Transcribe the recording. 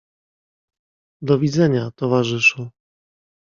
"Do widzenia, towarzyszu!"